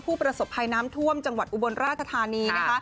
ผู้ประสบภัยน้ำท่วมจังหวัดอุบลราชธานีนะคะ